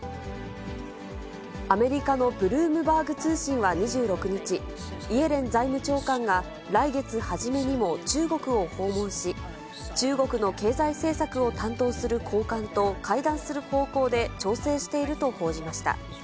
アメリカのブルームバーグ通信は２６日、イエレン財務長官が来月初めにも中国を訪問し、中国の経済政策を担当する高官と会談する方向で調整していると報じました。